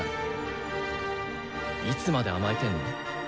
いつまで甘えてんの？